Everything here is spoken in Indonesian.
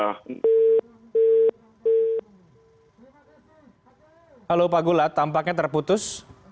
halo pak gulat tampaknya terputus